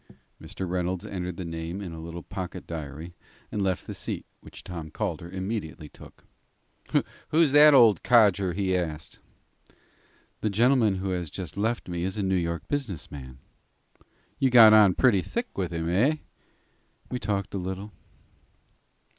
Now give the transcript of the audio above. Mr. Reynolds entered the name in a little pocket diary, and left the seat, which Tom Calder immediately took. "Who's that old codger?" he asked. "The gentleman who has just left me is a New York business man." "You got pretty thick with him, eh?" "We talked a little."